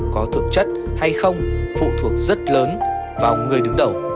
có thực chất hay không phụ thuộc rất lớn vào người đứng đầu